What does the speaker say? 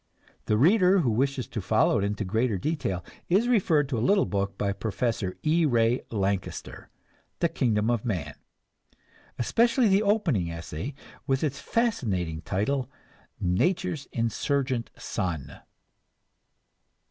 The reader who wishes to follow it into greater detail is referred to a little book by Professor E. Ray Lankester, "The Kingdom of Man"; especially the opening essay, with its fascinating title, "Nature's Insurgent Son."